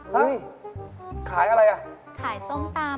เฮ้ยขายอะไรอ่ะขายส้มตำ